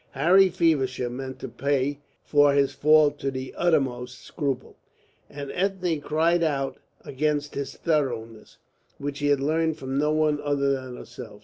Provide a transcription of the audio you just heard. Harry Feversham meant to pay for his fault to the uttermost scruple, and Ethne cried out against his thoroughness, which he had learned from no other than herself.